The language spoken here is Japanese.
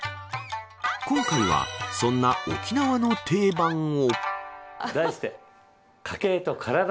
今回は、そんな沖縄の定番を。